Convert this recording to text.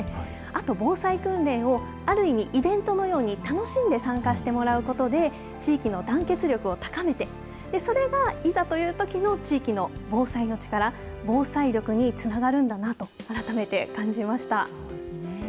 あと防災訓練を、ある意味、イベントのように楽しんで参加してもらうことで、地域の団結力を高めて、それがいざというときの地域の防災の力、防災力につながるんそうですね。